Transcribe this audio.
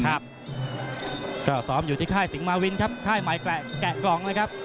ครับก็ซ้อมอยู่ที่ค่ายสิงฯมาวินครับค่ายหมายแกะต่อกรองนะครับ